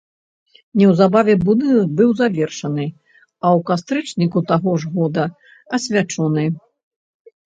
Неўзабаве будынак быў завершаны, а ў кастрычніку таго ж года асвячоны.